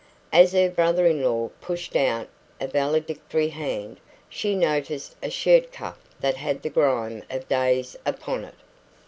As her brother in law pushed out a valedictory hand, she noticed a shirt cuff that had the grime of days upon it.